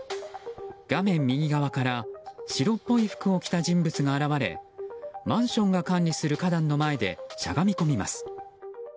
画面右側から白っぽい服を着た人物が現れマンションを管理する花壇の前でしゃがみ込みます。